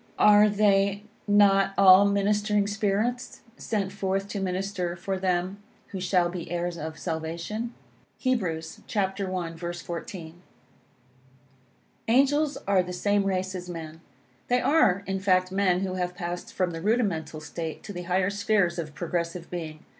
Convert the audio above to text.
"Are they not all ministering spirits, sent forth to minister for them who shall be heirs of salvation?" Heb. i. 14. Angels are of the same race as men. They are, in fact, men who have passed from the rudimental state to the higher spheres of progressive being.